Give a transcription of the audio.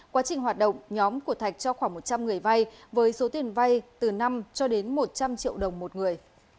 quá trình hoạt động nhóm của thạch cho khoảng một trăm linh người vay với số tiền vay từ năm cho đến một trăm linh triệu đồng một người